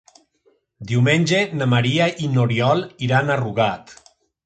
Diumenge na Maria i n'Oriol iran a Rugat.